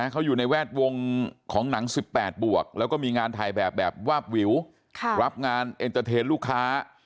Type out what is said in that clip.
เขาอยู่ในแวดวงของหนัง๑๘บวกแล้วก็มีงานถ่ายแบบแบบวาบวิวรับงานเอ็นเตอร์เทนลูกค้า